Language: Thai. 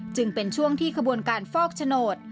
จึงเป็นช่วงที่ขบวนการฟอกโฉนด